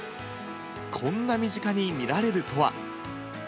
こんな身近に見られるとは。